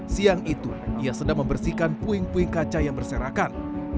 siang itu ia sedang membersihkan puing puing kaca yang berserakan